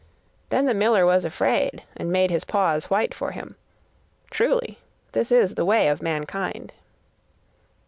Then the miller was afraid, and made his paws white for him. Truly, this is the way of mankind.